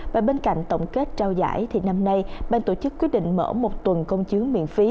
và bên cạnh tổng kết trao giải thì năm nay ban tổ chức quyết định mở một tuần công chứng miễn phí